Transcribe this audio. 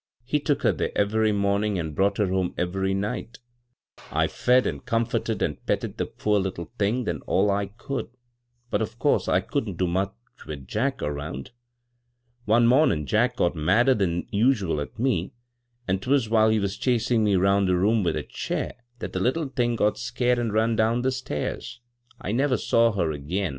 He took her there ev'ry momin' an' brought her home ev'ry night I fed an' comforted an' petted the poor little thing then all 1 could, but of course I couldn't do much with Jack 'round. One momin' Jack got madder than usual at me, an' 'twas while he was chasin' me 'round the room with a chair that the litde thing got scared an' run down the stairs. I never saw her again.